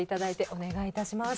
お願い致します。